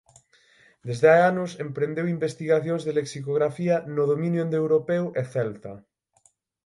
Desde hai anos emprendeu investigacións de lexicografía no dominio indoeuropeo e celta.